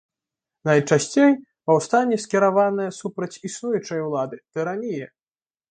Найчасцей паўстанне скіраваны супраць існуючай улады, тыраніі.